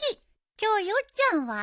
今日ヨッちゃんは？